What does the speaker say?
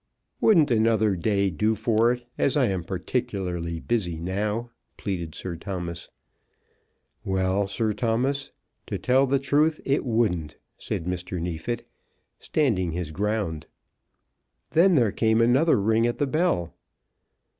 "Wouldn't another day do for it, as I am particularly busy now?" pleaded Sir Thomas. "Well, Sir Thomas; to tell the truth, it wouldn't," said Mr. Neefit, standing his ground. Then there came another ring at the bell.